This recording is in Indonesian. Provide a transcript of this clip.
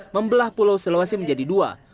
membelah pulau sulawesi menjadi dua